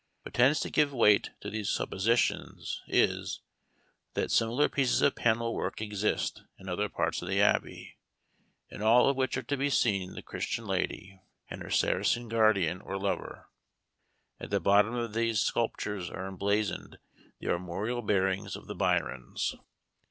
What tends to give weight to these suppositions is, that similar pieces of panel work exist in other parts of the Abbey, in all of which are to be seen the Christian lady and her Saracen guardian or lover. At the bottom of these sculptures are emblazoned the armorial bearings of the Byrons.